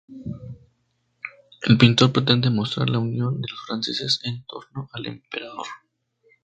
El pintor pretende mostrar la unión de los franceses en torno al Emperador.